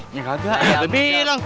eh enggak enggak udah bilang